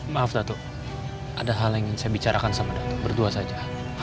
maaf datuk ada hal yang ingin saya bicarakan sama datuk berdua saja